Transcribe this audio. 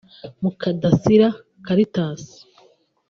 Mukandasira Cartas